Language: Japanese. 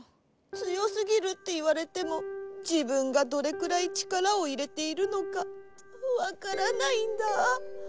強すぎるっていわれてもじぶんがどれくらい力をいれているのかわからないんだ。